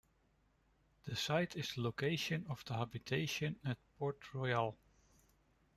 The site is the location of the Habitation at Port-Royal.